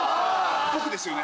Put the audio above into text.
僕ですよね？